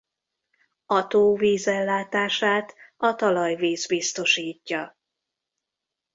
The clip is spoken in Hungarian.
A tó vízellátását a talajvíz biztosítja.